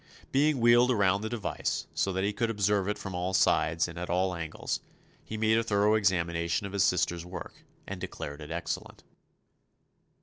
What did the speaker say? Being wheeled around the device, so that he could observe it from all sides and at all angles, he made a thorough examination of his sister's work and declared it excellent.